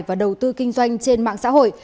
và đầu tư kinh doanh trên mạng xã hội